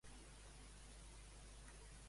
A qui posa prioritat el govern de la Generalitat?